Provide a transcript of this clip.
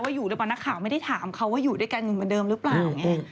อยู่หรือเปล่านักข่าวไม่ได้ถามเขาว่าอยู่ด้วยกันอยู่เหมือนเดิมหรือเปล่าไง